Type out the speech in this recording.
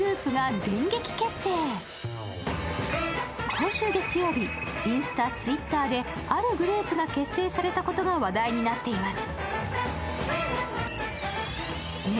今週月曜日、インスタ、Ｔｗｉｔｔｅｒであるグループが結成されたことが話題になっています。